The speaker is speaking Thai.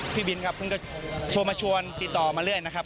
พี่บินครับเพิ่งก็โทรมาชวนติดต่อมาเรื่อยนะครับ